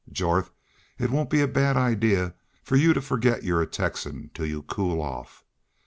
Jorth, it won't be a bad idee for you to forget you're a Texan till you cool off.